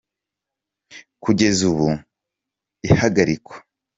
Kugeza ubu ihagarikwa.